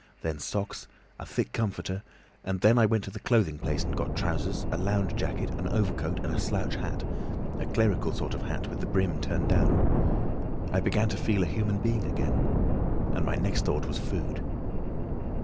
Then socks, a thick comforter, and then I went to the clothing place and got trousers, a lounge jacket, an overcoat and a slouch hat—a clerical sort of hat with the brim turned down. I began to feel a human being again, and my next thought was food.